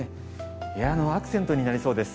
部屋のアクセントになりそうです。